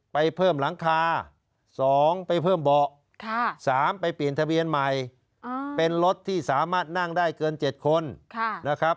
ไปเพิ่มหลังคา๒ไปเพิ่มเบาะ๓ไปเปลี่ยนทะเบียนใหม่เป็นรถที่สามารถนั่งได้เกิน๗คนนะครับ